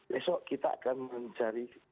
besok kita akan mencari